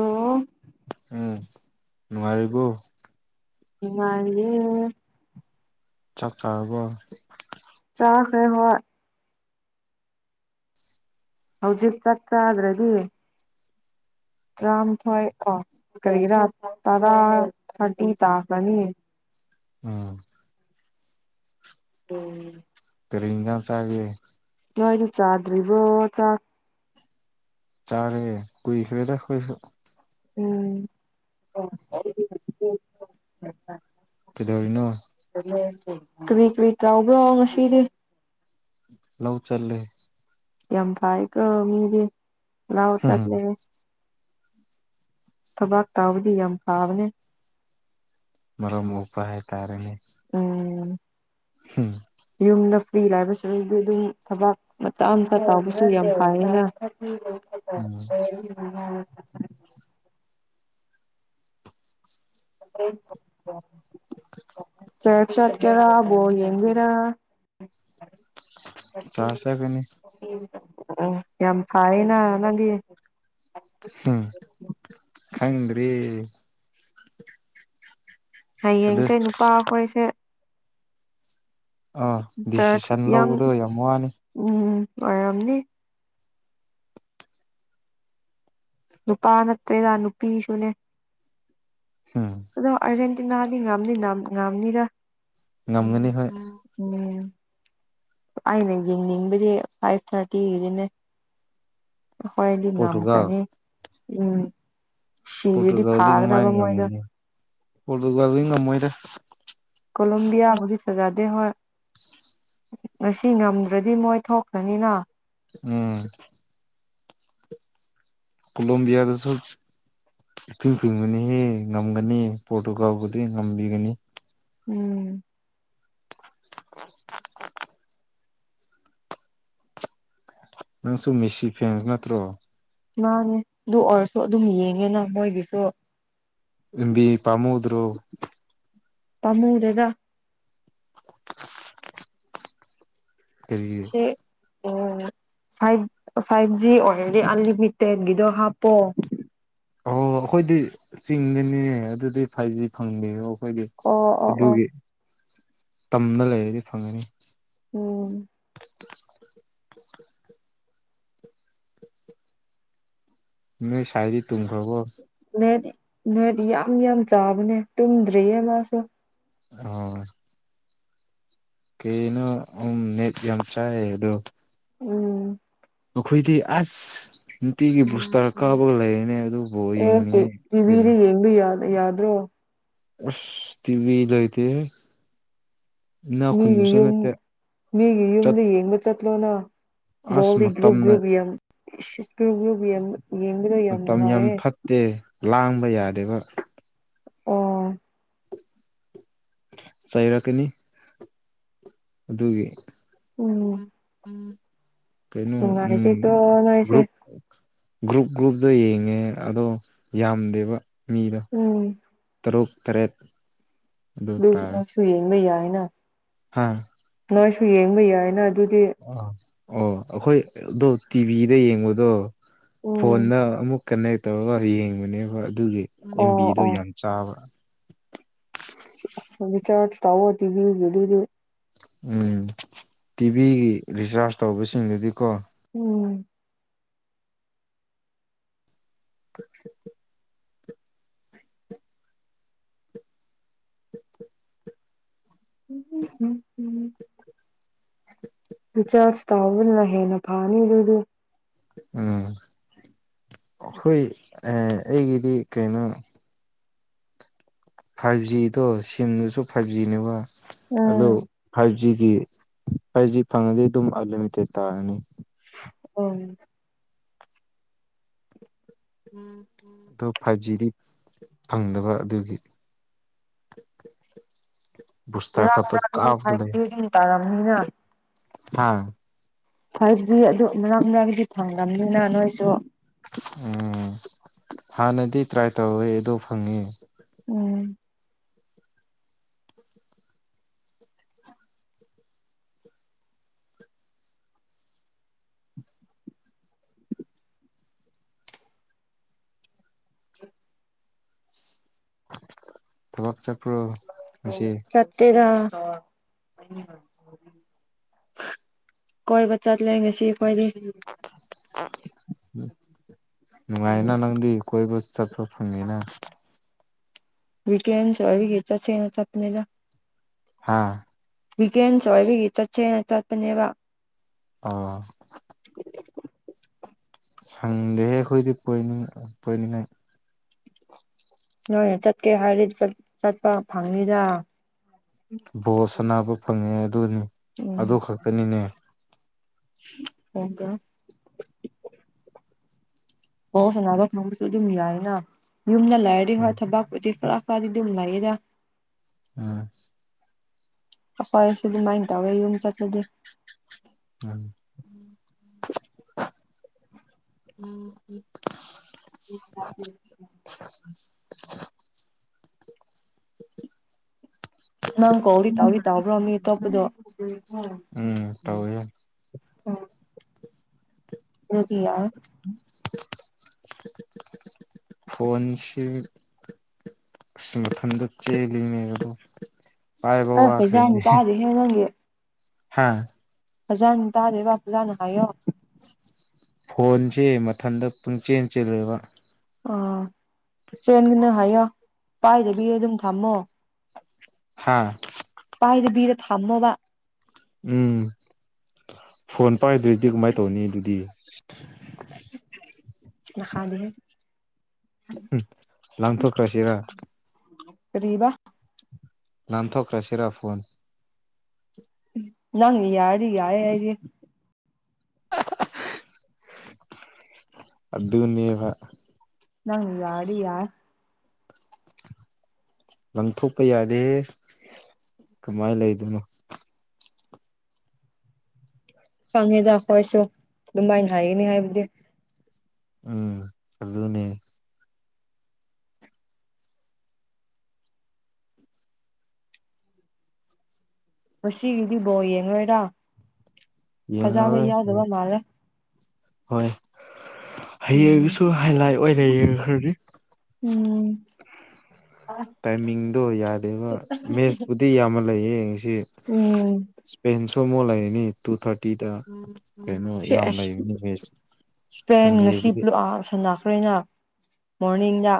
ꯑꯣ ꯎꯝ ꯅꯨꯉꯏꯔꯤꯕꯣ ꯅꯨꯉꯥꯏꯔꯤꯌꯦ ꯆꯥꯛ ꯆꯥꯔꯕ ꯆꯥꯈꯔꯦ ꯍꯣꯏ ꯍꯧꯖꯤꯛ ꯆꯠ ꯆꯥꯗ꯭ꯔꯗꯤ ꯇꯔꯝꯊꯣꯏ ꯑꯣ ꯀꯔꯤ ꯔꯥ ꯇꯥꯔ ꯊꯔꯇꯤ ꯇꯥꯈꯔꯥꯅꯤ ꯎꯝ ꯎꯝ ꯀꯔꯤ ꯏꯟꯖꯡ ꯆꯒꯦ ꯅꯣꯏꯗꯨ ꯆꯥꯗ꯭ꯔꯤꯕꯣ ꯆꯥꯛ ꯆꯥꯔꯦ ꯀꯨꯏꯈꯔ꯭ꯦꯗ ꯈꯣꯏꯁꯨ ꯎꯝ ꯀꯗꯧꯔꯤꯅꯣ ꯀꯔꯤ ꯀꯔꯤ ꯇ꯭ꯎꯕ꯭ꯔꯣ ꯉꯁꯤꯗꯤ ꯂꯧ ꯆꯠꯂꯦ ꯌꯥꯝꯐꯩꯀꯣ ꯃꯤꯗꯤ ꯂꯎ ꯆꯠꯂꯩ ꯊꯕꯛ ꯇꯧꯕꯥꯗꯤ ꯌꯥꯝ ꯐꯕꯅꯦ ꯃꯔꯝ ꯃꯣꯛꯄ ꯍꯥꯏꯇꯥꯥꯔꯦꯅꯦ ꯎꯝ ꯍꯝ ꯌꯨꯝꯗ ꯐ꯭ꯔꯤ ꯂꯥꯏꯕꯁꯨꯗꯤ ꯑꯗꯨꯝ ꯊꯕꯥꯛ ꯑꯃ ꯑꯃꯇ ꯇꯥꯎꯕꯁꯨ ꯌꯥꯝ ꯐꯥꯏꯌꯦꯅ ꯎꯝ [unintelligible] [unintelligible] [unintelligible] [unintelligible] ꯆꯠꯀꯦꯔ ꯕꯣꯜ ꯌꯦꯡꯒꯦꯔꯥ ꯆꯥꯁꯦ ꯀꯅꯤ ꯌꯥꯝ ꯐꯥꯏꯅ ꯅꯪꯗꯤ ꯈꯪꯗꯔꯤ ꯑꯗꯨ ꯍꯌꯦꯡꯁꯦ ꯅꯨꯄꯥ ꯍꯣꯏꯁꯦ ꯑꯥ ꯆꯥꯔꯆ ꯗꯤꯁꯤꯁꯟ ꯌꯥꯝ ꯂꯧꯕꯗꯣ ꯋꯥꯅꯤ ꯎꯝ ꯑꯣꯏꯔꯝꯅꯤ ꯅꯨꯄꯥ ꯅꯠꯇ꯭ꯔꯦꯗ ꯅꯨꯄꯤꯁꯨꯅꯦ ꯎꯝ ꯑꯗꯣ ꯑꯔꯖꯦꯟꯇꯤꯅꯥꯗꯤ ꯉꯝꯅꯤ ꯉꯝꯅꯤꯗ ꯉꯝꯒꯅꯤ ꯍꯣꯏ ꯎꯝ ꯑꯩꯅ ꯌꯦꯡꯅꯤꯡꯕꯗꯤ ꯐꯥꯏꯚ ꯊꯥꯔꯇꯤꯒꯤꯅꯦ ꯍꯣꯏꯗꯤ ꯄꯣꯔꯇꯨꯒꯜ ꯉꯝꯈꯔꯥꯅꯤ ꯎꯝ ꯁꯤꯔꯗꯤ ꯄꯣꯔꯇꯨꯒꯜꯗꯤ ꯐꯥꯒꯗꯕ ꯅꯨꯉꯥꯏꯅ ꯃꯣꯏꯗꯣ ꯉꯝꯃꯅꯤ ꯄꯔꯣꯇꯨꯒꯜꯗꯤ ꯉꯝꯃꯣꯏꯗ ꯀꯣꯂꯣꯝꯕꯤꯌꯥ ꯕꯨꯗꯤ ꯐꯖꯥꯗꯦ ꯍꯣꯌ ꯉꯁꯤ ꯉꯝꯗ꯭ꯔꯗꯤ ꯃꯣꯏ ꯊꯣꯛꯈ꯭ꯔꯅꯤꯅ ꯎꯝ ꯀꯣꯂꯣꯝꯕꯤꯌꯥꯗꯁꯨ ꯏꯐꯤꯡ ꯐꯤꯡꯕꯅꯤꯍꯦ ꯉꯝꯒꯅꯤ ꯄꯔꯣꯇꯨꯒꯥꯎꯕꯨꯗꯤ ꯉꯝꯕꯤꯒꯅꯤ ꯎꯝ [inaudible] ꯅꯪꯁꯨ ꯃꯦꯁꯤ ꯐꯦꯟꯁ ꯅꯠꯇ꯭ꯔꯣ ꯃꯥꯅꯦ ꯑꯗꯨ ꯑꯣꯏꯔꯁꯨ ꯑꯗꯨꯝ ꯌꯦꯡꯉꯦꯅ ꯃꯣꯏꯒꯤꯁꯨ ꯕꯤ ꯄꯃꯨꯗ꯭ꯔꯣ ꯄꯃꯨꯗꯦꯗ ꯀꯩꯒꯤ ꯑꯣꯕ ꯐꯥꯏꯚ ꯐꯥꯏꯚ ꯖꯤ ꯑꯣꯜꯔꯦꯗꯤ ꯑꯟꯂꯤꯃꯤꯇꯦꯠꯀꯤꯗꯣ ꯍꯥꯞꯄꯣ ꯑꯣ ꯑꯩꯈꯣꯏꯗꯤ ꯆꯤꯡꯗꯅꯦ ꯑꯗꯨꯗꯤ ꯐꯥꯏꯚ ꯖꯤ ꯐꯪꯗꯦ ꯑꯣ ꯑꯩꯈꯣꯏꯗꯤ ꯑꯣ ꯑꯣ ꯑꯣ ꯑꯗꯨꯒꯤ ꯇꯝꯗ ꯂꯩꯔꯗꯤ ꯐꯪꯒꯅꯤ ꯎꯝ [inaudible] ꯅꯣꯏ ꯁꯥꯏꯗꯤ ꯇꯨꯝꯈꯔꯕꯣ ꯅꯦꯠ ꯌꯥꯝ ꯌꯥꯝ ꯆꯥꯕꯅꯦ ꯇꯨꯝꯗ꯭ꯔꯤꯌꯦ ꯃꯥꯁꯨ ꯑꯣ ꯀꯩꯩꯅꯣ ꯎꯝ ꯅꯦꯠ ꯌꯥꯝ ꯆꯥꯏ ꯍꯥꯏꯗꯨ ꯎꯝ ꯑꯩꯈꯣꯏꯗꯤ ꯑꯁ ꯅꯨꯡꯇꯤꯒꯤ ꯕꯨꯁꯇꯔ ꯀꯥꯄꯒ ꯂꯩꯔꯅꯦ ꯑꯗꯨ ꯑꯣ ꯇꯤ ꯇꯤꯚꯤꯗ ꯌꯦꯡꯕ ꯌꯥ ꯌꯥꯗ꯭ꯔꯣ ꯑꯁ ꯇꯤꯚꯤ ꯂꯩꯇꯦꯍꯦ ꯃꯤꯒꯤ ꯌꯨꯝ ꯃꯤꯒꯤ ꯆꯠ ꯌꯨꯝꯗ ꯌꯦꯡꯕ ꯆꯠꯂꯣꯅ ꯑꯁ ꯕꯣꯜꯗꯤ ꯒ꯭ꯔꯨꯞ ꯃꯇꯝꯅ ꯒ꯭ꯔꯨꯞ ꯌꯦꯡ ꯏꯁ ꯒ꯭ꯔꯨꯞ ꯒ꯭ꯔꯨꯞ ꯌꯦꯡꯕ ꯃꯇꯝ ꯌꯥꯝ ꯐꯠꯇꯦ ꯂꯥꯡꯕ ꯌꯥꯗꯦꯕ ꯑꯣ ꯆꯩꯔꯛ ꯀꯅꯤ ꯑꯗꯨꯒꯤ ꯎꯝ ꯀꯩꯩꯅꯣ ꯎꯝ ꯅꯨꯡꯉꯥꯏꯇꯦꯀꯣ ꯕꯣ ꯅꯣꯏꯁꯦ ꯒ꯭ꯔꯨꯞ ꯒ꯭ꯔꯨꯞ ꯒ꯭ꯔꯨꯞꯇ ꯌꯦꯡꯉꯦ ꯑꯗꯣ ꯌꯥꯝꯗꯦꯕ ꯃꯤꯗꯣ ꯎꯝ ꯇꯔꯨꯛ ꯇꯔꯦꯠ ꯗꯨ ꯅꯣꯏꯁꯨ ꯌꯦꯡꯕ ꯌꯥꯏꯅ ꯍꯥꯥ ꯅꯣꯏꯁꯨ ꯌꯦꯡꯕ ꯌꯥꯏꯅ ꯑꯗꯨꯗꯤ ꯑꯥ ꯑꯣ ꯑꯩꯈꯣꯏ ꯑꯗꯣ ꯇꯤꯚꯤꯗ ꯌꯦꯡꯕꯗꯣ ꯎꯝ ꯐꯣꯟꯗ ꯑꯃꯨꯛ ꯀꯟꯅꯦꯛ ꯇꯧꯔꯒ ꯌꯦꯡꯕꯅꯦ ꯍꯣꯏ ꯑꯗꯨꯒꯤ ꯑꯣ ꯑꯦꯟꯕꯤꯗꯣ ꯑꯣ ꯌꯥꯝ ꯆꯥꯕ꯭ꯔꯥ [inaudible] ꯎꯝ ꯇꯤꯚꯤꯒꯤ ꯔꯤꯆꯥꯔꯖ ꯇꯧꯕꯁꯤꯡꯗꯨꯗꯤꯀꯣ ꯎꯝ [unintelligible] [inaudible] ꯆꯥꯁ ꯇꯕ꯭ꯔꯅ ꯍꯦꯅ ꯄꯃꯦꯅꯦ ꯏꯗꯨ ꯎꯝ ꯍꯣꯏ ꯑ ꯑꯩꯒꯤꯗꯤ ꯀꯩꯅꯣ ꯐꯥꯏꯚꯖꯤꯗꯣ ꯁꯤꯝꯗꯨꯁꯨ ꯐꯥꯏꯚꯖꯤꯅꯦꯕ ꯑꯗꯨ ꯎꯝ ꯐꯥꯏꯚ ꯖꯤꯗꯤ ꯐꯥꯏꯚꯖꯤ ꯐꯪꯉꯗꯤ ꯑꯗꯨꯝ ꯑꯟꯂꯤꯃꯤꯠꯇꯦꯠ ꯇꯥꯔꯅꯤ ꯑꯣ ꯗꯨ ꯐꯥꯏꯚꯖꯤꯗꯤ ꯐꯪꯗꯕ ꯑꯗꯨꯒꯤ [inaudible] ꯕꯨꯁꯇꯔ ꯂꯥꯛ ꯈꯛꯇ ꯑꯗꯨ ꯀꯥꯞꯄꯒ ꯂꯩ ꯐꯥꯏꯚꯖꯤ ꯗꯨꯝ ꯇꯥꯔꯝꯅꯤꯅ ꯍꯥ ꯐꯥꯏꯚꯖꯤ ꯑꯗꯨ ꯃꯅꯥꯛ ꯅꯛꯂꯗꯤ ꯐꯪꯉꯝꯅꯤꯅ ꯅꯣꯏꯁꯨ ꯎꯝ ꯍꯥꯟꯅꯗꯤ ꯇ꯭ꯔꯥꯏ ꯇꯧꯑꯦ ꯑꯗꯨ ꯐꯪꯉꯤ ꯎꯝ [inaudible] ꯊꯂꯛ ꯆꯠ ꯆꯠꯇꯦꯒ ꯀꯣꯏ ꯆꯥ ꯂꯒꯦ ꯁꯤ ꯑꯣꯏꯣꯏ ꯅꯨꯡꯉꯥꯏꯅ ꯅꯪꯗꯤ ꯀꯣꯏꯕꯨ ꯆꯠ ꯆ ꯐꯪꯉꯤꯅ [unintelligible] ꯍꯥꯥ ꯋꯤꯀꯦꯟꯁ ꯑꯣꯏꯕꯒꯤ ꯆꯠꯁꯦꯅ ꯆꯠꯄꯅꯦꯕ ꯑ ꯁꯪꯗꯦꯍꯦ ꯑꯩꯈꯣꯏꯗꯤꯣꯏꯅꯤꯡ ꯄꯣꯏꯅꯤꯡꯉꯥꯏ ꯅꯣꯏ ꯆꯠꯀꯦ ꯍꯥꯏꯔꯗꯤ ꯆꯠꯄ ꯐꯪꯉꯤꯗ ꯕꯣꯁ ꯑꯅꯥꯕ ꯐꯪꯉꯦ ꯑꯗꯨꯅꯤ ꯎꯝ ꯑꯗꯨ ꯈꯛꯇꯅꯤꯅꯦ [inaudible] ꯍꯗ ꯑꯣ ꯁꯥꯟꯅꯕ ꯈꯪꯕꯁꯨ ꯑꯗꯨꯝ ꯌꯥꯏꯅ ꯌꯨꯝꯗ ꯂꯥꯏꯔꯗꯤ ꯎꯝ ꯍ ꯊꯕꯥꯛꯄꯨꯗꯤ ꯈꯔ ꯄꯥ ꯑꯗꯨꯗꯨꯝ ꯃꯔꯦꯗ ꯎꯝ ꯈꯣꯏꯁꯨ ꯑꯗꯨꯃꯥꯏꯅ ꯇꯧꯋꯦ ꯌꯨꯝ ꯆꯠꯂꯗꯤꯦ ꯎꯝ ꯎꯝ ꯎꯝ ꯎꯝ [inaudible] ꯅꯪ ꯀꯣ ꯍꯧꯔꯤ ꯇ ꯍꯧꯔꯤꯇꯥꯕ꯭ꯔꯣ ꯃꯤ ꯇꯄꯗꯣ ꯎꯝ ꯇꯧꯋꯦ ꯎꯝ ꯑꯗꯨꯗꯤꯌꯥ ꯐꯣꯟꯣꯟꯁꯤꯞ ꯑꯁ ꯃꯊꯟꯗ ꯆꯦꯜꯂꯤꯉꯩ ꯑꯗꯣ ꯑꯁ ꯐꯖꯅ ꯄꯥꯏꯕꯎꯈꯦꯅꯤ ꯇꯥꯗꯦꯍꯦ ꯍꯥꯦ ꯐꯖꯥꯅ ꯇꯥꯗꯦꯕ ꯐꯖꯥꯅ ꯍꯥꯏꯌꯣ ꯐꯣꯟꯁꯦ ꯃꯊꯟꯇ ꯄꯨꯡ ꯆꯦꯟ ꯆꯦꯜꯂꯦꯕ ꯑꯥ ꯆꯦꯟꯒꯅ ꯍꯥꯏꯌꯣ ꯄꯥꯏꯗꯕꯤ ꯑꯗꯨꯝ ꯊꯝꯃꯣ ꯍꯥꯥ ꯄꯥꯏꯗꯕꯤꯔ ꯊꯝꯃꯣꯕ ꯎꯝ ꯐꯣꯟ ꯄꯥꯏꯗ꯭ꯔꯣꯏꯗꯤ ꯀꯃꯥꯏꯅ ꯇꯧꯅꯤ ꯑꯗꯨꯗꯤ ꯅꯗꯦ ꯂꯪꯊꯣꯛꯈ꯭ꯔꯥꯁꯤꯔ ꯀꯔꯤꯕ ꯂꯥꯟꯊꯣꯛꯈ꯭ꯔ ꯁꯔꯥ ꯐꯣꯟ ꯅꯪ ꯌꯥꯔꯤꯒ ꯌꯥꯔꯦꯗꯤ ꯑꯗꯨꯒ ꯅꯕ ꯅꯪ ꯌꯥꯗꯤ ꯌꯥꯔ ꯂꯪꯊꯣꯛꯄ ꯌꯥꯗꯦ ꯀꯃꯥꯏꯅ ꯂꯩꯗꯣꯏꯅꯣ ꯐꯪꯉꯦꯗ ꯑꯩꯈꯣꯏꯁꯨ ꯑꯗꯨꯃꯥꯏꯅ ꯍꯥꯏꯒꯅꯤ ꯍꯥꯏꯕꯗꯤ ꯎꯝ ꯆꯂꯨꯅꯦ ꯉꯁꯤꯒꯤꯗꯤꯕꯣ ꯌꯦꯡꯉꯣꯏꯔ ꯐꯖꯕ ꯌꯦꯡꯉꯔꯣꯏ ꯌꯥꯗꯕ ꯃꯥꯜꯂꯦ ꯍꯣꯏ ꯎꯝ ꯍꯌꯦꯡꯁꯨ ꯍꯥꯏ ꯂꯥꯏꯠ ꯑꯣꯏꯔꯦ ꯌꯦꯡꯉꯈꯔꯗꯤ ꯎꯝ ꯇꯥꯏꯃꯤꯡꯗꯣ ꯌꯥꯗꯦꯕ ꯃꯦꯠꯁꯄꯨꯗꯤ ꯌꯥꯝꯅ ꯂꯩꯌꯦꯡꯁꯤ ꯎꯝ ꯏꯁꯄꯦꯟꯁꯨꯣ ꯃ ꯂꯩꯦꯅꯤ ꯇꯨ ꯊꯥꯔꯇꯤꯗ ꯀꯩꯅꯣ ꯁꯦ ꯌꯥꯝ ꯑꯁ ꯂꯩꯕꯅꯤ ꯃꯦꯠꯁ ꯏꯁꯄꯦꯟ ꯉꯁꯤꯗꯤ ꯁꯟꯗꯦꯕꯨꯗꯤ ꯅꯣꯛꯑ ꯁꯅꯥꯈ꯭ꯔꯦꯅ ꯃꯣꯔꯅꯤꯡꯗ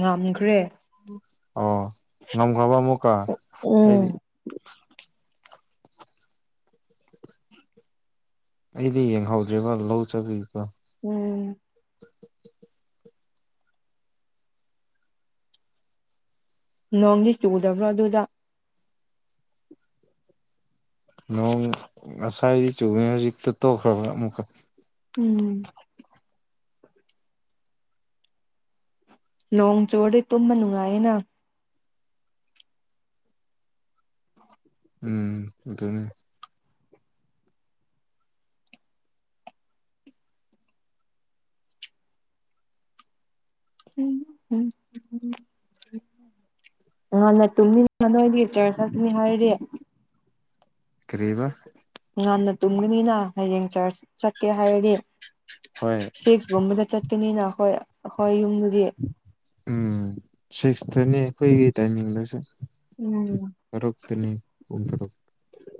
ꯉꯝꯈ꯭ꯔꯦ ꯑꯣ ꯉꯝꯈ꯭ꯔꯕ ꯑꯃꯨꯛꯀ ꯎꯝ ꯑꯩꯗꯤ [inaudible] ꯑꯩꯗꯤ ꯌꯦꯡꯍꯧꯗ꯭ꯔꯦꯕ ꯂꯧ ꯆꯠꯄꯒꯤ ꯎꯝ ꯅꯣꯡꯗꯤ ꯆꯨꯗꯕ꯭ꯔꯣ ꯑꯗꯨꯗ ꯅꯣꯡ ꯉꯁꯥꯏꯗꯤ ꯆꯨꯕꯅꯦ ꯍꯧꯖꯤꯛꯇꯤ ꯇꯣꯛꯈ꯭ꯔꯕ ꯑꯃꯨꯛꯀ ꯎꯝ ꯅꯣꯡ ꯆꯨꯔꯗꯤ ꯇꯨꯝꯕ ꯅꯨꯡꯉꯥꯏꯌꯦꯅ ꯎꯝ ꯑꯗꯨꯅꯦ ꯎꯝ ꯎꯝ [unintelligible] ꯉꯟꯅ ꯇꯨꯝꯅꯤꯡꯕ ꯅꯣꯏꯗꯤ ꯆꯔ꯭ꯆ ꯆꯠꯀꯅꯤ ꯍꯥꯏꯔꯗꯤ ꯀꯔꯤꯍꯥꯢꯕ ꯉꯟꯅ ꯇꯨꯝꯒꯅꯤꯅ ꯍꯌꯦꯡ ꯆꯔ꯭ꯆ ꯆꯠꯀꯦ ꯍꯥꯏꯔꯗꯤ ꯍꯣꯏ ꯁꯤꯛꯁ ꯀꯨꯝꯕꯗ ꯆꯠꯀꯅꯤꯅ ꯈꯣꯏ ꯑꯈꯣꯏ ꯌꯨꯝ ꯎꯝ ꯁꯤꯛꯁ ꯇꯅꯤ ꯑꯈꯣꯏꯒꯤ ꯇꯥꯏꯃꯤꯡꯗꯨꯁꯨ ꯎꯝ ꯇꯔꯨꯛꯇꯅꯤ ꯄꯨꯡ ꯇꯔꯨꯛ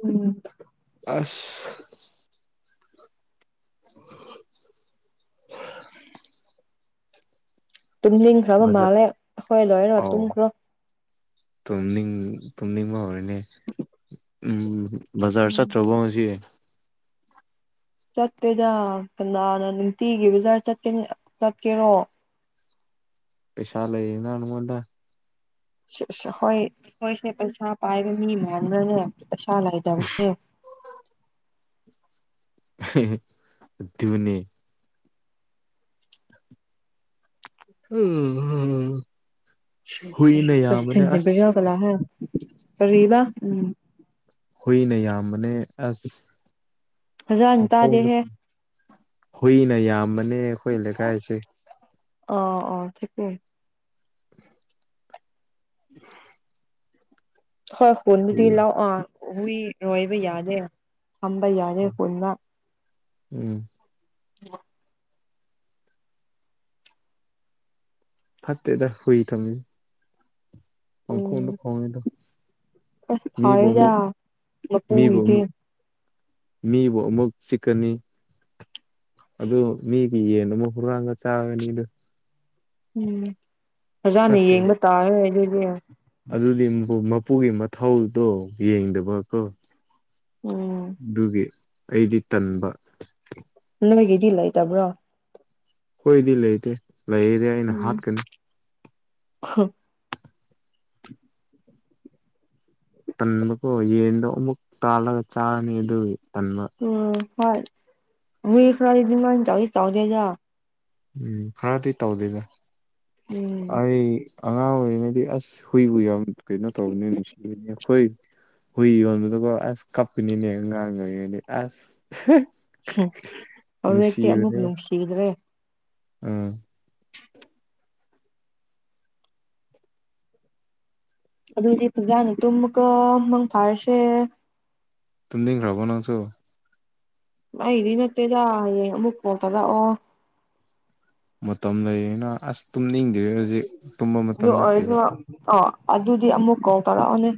ꯎꯝ ꯑꯁ [unintelligible] ꯇꯨꯝꯅꯤꯡꯈ꯭ꯔꯕ ꯃꯥꯜꯂꯦ ꯑꯩꯈꯣꯏ ꯂꯣꯏꯔ ꯑꯥꯎ ꯇꯨꯝꯈ꯭ꯔꯣ ꯇꯨꯝꯅꯤꯡ ꯇꯨꯝꯅꯤꯡꯕ ꯍꯧꯔꯦꯅꯦ ꯎꯝ ꯕꯖꯥꯔ ꯎꯝ ꯆꯠꯇ꯭ꯔꯕꯣ ꯉꯁꯤ ꯆꯠꯇꯦꯗ ꯀꯅꯥꯅ ꯅꯨꯡꯇꯤꯒꯤ ꯕꯖꯥꯔ ꯆꯠꯀꯅꯤ ꯆꯠꯀꯦꯔꯣ ꯄꯩꯁꯥ ꯂꯩꯌꯦꯅ ꯅꯉꯣꯟꯗ ꯁ‌ꯦ ꯁ‌ꯦ ꯍꯣꯏ ꯈꯣꯏꯁꯦ ꯄꯩꯁꯥ ꯄꯥꯏꯕ ꯃꯤ ꯃꯥꯟꯕ꯭ꯔꯅꯦ ꯄꯩꯁꯥ ꯂꯩꯇ ꯕꯅꯦ ꯑꯗꯨꯅꯦ ꯎꯝ ꯍꯨꯏꯅ ꯌꯥꯝꯕꯅꯦ ꯑꯁ [unintelligible] ꯀꯔꯤꯕ ꯎꯝ ꯍꯨꯏꯅ ꯌꯥꯝꯕꯅꯦ ꯑꯁ ꯐꯖꯅ ꯃꯈꯣꯡꯗ ꯇꯥꯗꯦꯍꯦ ꯍꯨꯏꯅ ꯌꯥꯝꯕꯅꯦ ꯑꯩꯈꯣꯏ ꯂꯩꯀꯥꯏꯁꯦ ꯑꯣ ꯑꯣ ꯊꯦ [unintelligible] [unintelligible] ꯑꯈꯣꯏ ꯈꯨꯟꯗꯗꯤ ꯍꯨꯏ ꯂꯧ ꯑꯥ ꯍꯨꯏ ꯔꯣꯏꯕ ꯌꯥꯗꯦ ꯊꯝꯕ ꯌꯥꯗꯦ ꯈꯨꯟꯗ ꯎꯝ [unintelligible] ꯐꯠꯇꯦꯗ ꯍꯨꯏ ꯊꯝꯕꯖꯦ ꯄꯪꯈꯣꯡꯗ ꯈꯣꯡꯉꯦꯗ ꯑ ꯐꯩꯌꯦꯗ ꯃꯤꯕꯨ ꯃꯄꯨꯒꯤꯗꯤ ꯑꯃꯨꯛ ꯃꯤꯕꯨ ꯑꯃꯨꯛ ꯆꯤꯛꯀꯅꯤ ꯑꯗꯣ ꯃꯤꯒꯤ ꯌꯦꯟ ꯑꯃꯥ ꯍꯨꯔꯥꯟꯂ ꯆꯥꯒꯅꯤꯗ ꯎꯝ ꯐꯖꯅ ꯌꯦꯡꯕ ꯇꯥꯔꯦ ꯑꯗꯨꯗꯤ ꯑꯗꯨꯗꯤ ꯃꯄꯨꯒꯤ ꯃꯊꯧꯗꯣ ꯌꯦꯡꯗꯕ ꯀꯣ ꯎꯝ ꯑꯗꯨꯒꯤ ꯑꯩꯗꯤ ꯇꯟꯕ ꯅꯣꯏꯒꯤꯗꯤ ꯂꯩꯇꯕ꯭ꯔꯣ ꯈꯣꯏꯗꯤ ꯂꯩꯇꯦ ꯂꯩꯔꯗꯤ ꯑꯩꯅ ꯍꯥꯠꯀꯅꯤ [unintelligible] ꯇꯟꯕꯀꫭ ꯌꯦꯟꯗꯛ ꯀꯥꯜꯒ ꯆꯥꯅꯤ ꯑꯗꯨ ꯇꯟꯕ ꯃꯤ ꯈꯔꯗꯤꯃꯅ ꯆꯧ ꯆꯧꯗ ꯍꯖꯥ [unintelligible] ꯎꯝ ꯈꯔꯗꯤ ꯇꯧꯗꯦꯗ ꯎꯝ ꯑꯩ ꯑꯉꯥꯡ ꯑꯣꯏꯔꯤꯉꯩꯗꯤ ꯑꯁ ꯍꯨꯏ ꯕꯨ ꯌꯥꯝ ꯀꯩꯅꯣ ꯇꯧꯕꯅꯤ ꯅꯨꯡꯁꯤꯕꯅꯤ ꯑꯩꯈꯣꯏ ꯍꯨꯏ ꯌꯣꯟꯕꯗ ꯀꫭ ꯑꯁ ꯀꯞꯄꯅꯤꯅꯦ ꯑꯉꯥꯡꯑꫭꯏꯔꯤ ꯉꯩꯗꯗꯤ ꯀꫭ ꯑꯁ ꯑꯗꯨꯛꯇ ꯑꯃꯃꯨꯛ ꯅꯨꯡꯁꯤꯗꯔꯦ ꯑꯥ ꯑꯗꯨꯏꯗꯤ ꯄꯨꯖꯥꯅꯤꯠꯇ ꯃꯨꯛꯀ ꯃꯪ ꯐꯥꯔꯁꯦ ꯇꯃꯤꯗꯤ ꯈꯔꯕꯅꯁꯣ ꯑꯩꯗꯤ ꯅꯠꯇꯦ ꯌꯥꯌꯦ ꯃꯨꯀꯣ ꯇꯗ ꯑꯣ ꯃꯇꯝ ꯂꯩꯌꯦꯅ ꯑꯁ ꯇꯨꯝꯅꯤꯡꯗꯦ ꯍꯧꯖꯤꯛ ꯇꯨꯝꯕ ꯃꯇꯝ ꯑꯗꯨ ꯑꯣꯏꯔꯁꯨ ꯅꯠꯇꯦꯕ ꯑꯣ ꯑꯗꯨꯗꯤ ꯑꯃꯨꯛ ꯀꯥꯎ ꯇꯔꯛꯑꯣꯅꯦ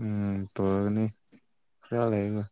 ꯎꯝ ꯇꯒꯅꯤ ꯈꯌꯥꯂꯦꯕ